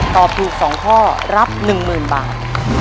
ตอบถูก๒ข้อรับ๑๐๐๐บาท